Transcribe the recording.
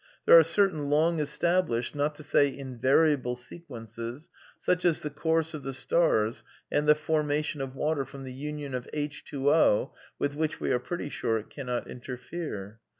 There are certain long established, not to say invariable sequences, such as the course of the stars and the formation of water from the union of H2O with which we are pretty sure it cannot interfere.